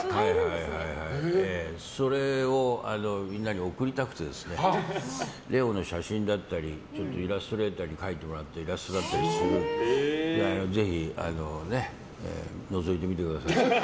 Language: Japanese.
それをみんなに送りたくてレオの写真だったりイラストレーターに描いてもらったイラストだったりするのでぜひ、のぞいてみてください。